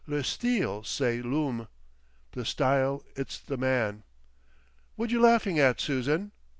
Le Steel Say Lum. The Style it's the man. Whad you laughing at, Susan?